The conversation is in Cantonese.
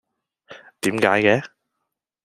點解嘅？